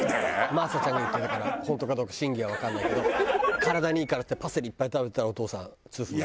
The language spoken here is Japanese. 真麻ちゃんが言ってたから本当かどうか真偽はわかんないけど「体にいいからってパセリいっぱい食べてたらお父さん痛風に」。